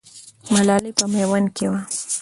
ملالۍ په میوند کې وه.